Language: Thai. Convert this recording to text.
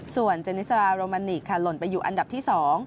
ส่วนเจนิสราโรมันนิกค่ะหล่นไปอยู่อันดับที่๒